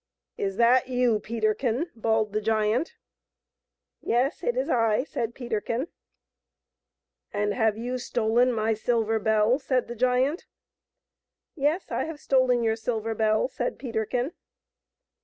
" Is that you, Peterkin ?" bawled the giant. " Yes ; it is I," said Peterkin. " And have you stolen my silver bell ?" said the giant. " Yes ; I have stolen your silver bell," said Peterkin.